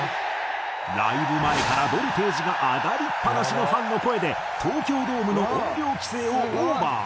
ライブ前からボルテージが上がりっぱなしのファンの声で東京ドームの音量規制をオーバー。